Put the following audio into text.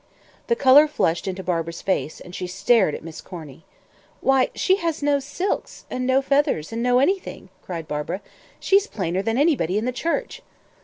The color flushed into Barbara's face, and she stared at Miss Corny. "Why, she has no silks, and no feathers, and no anything!" cried Barbara. "She's plainer than anybody in the church!"